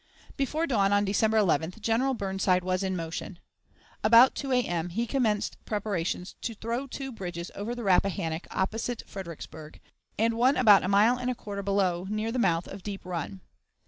Before dawn, on December 11th, General Burnside was in motion. About 2 A.M. he commenced preparations to throw two bridges over the Rappahannock opposite Fredericksburg, and one about a mile and a quarter below, near the month of Deep Run.